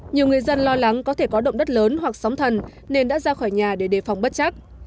nhiều người dân lo lắng có thể có động đất lớn hoặc sóng thần nên đã ra khỏi nhà để đề phòng bất chắc